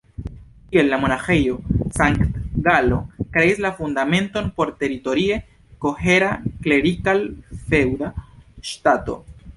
Tiel la Monaĥejo Sankt-Galo kreis la fundamenton por teritorie kohera klerikal-feŭda ŝtato.